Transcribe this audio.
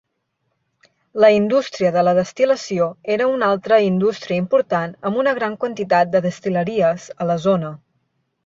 La indústria de la destil·lació era una altra indústria important amb una gran quantitat de destil·leries a la zona.